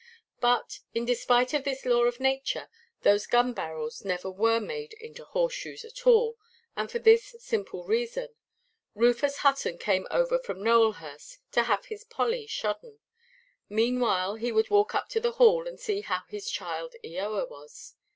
But, in despite of this law of nature, those gun–barrels never were made into horse–shoes at all, and for this simple reason:—Rufus Hutton came over from Nowelhurst to have his Polly shodden; meanwhile he would walk up to the Hall, and see how his child Eoa was.